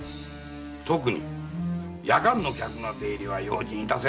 特に夜間の客の出入りは用心いたせ。